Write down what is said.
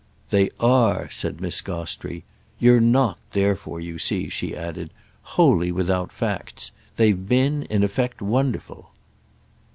"They are!" said Miss Gostrey. "You're not therefore, you see," she added, "wholly without facts. They've been, in effect, wonderful."